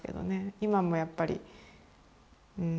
今もやっぱりうん。